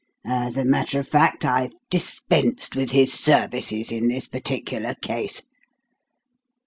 As a matter of fact, I've dispensed with his services in this particular case.